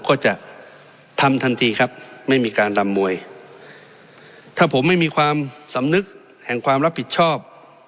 ก็จะทำทันทีครับไม่มีการรำมวยถ้าผมไม่มีความสำนึกแห่งความรับผิดชอบ